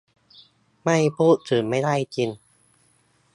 ไม่พูดถึงไม่ได้จริง